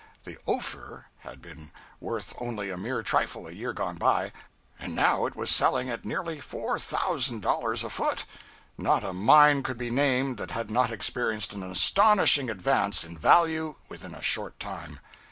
The "Ophir" had been worth only a mere trifle, a year gone by, and now it was selling at nearly four thousand dollars a foot! Not a mine could be named that had not experienced an astonishing advance in value within a short time.